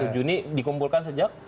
satu juni dikumpulkan sejak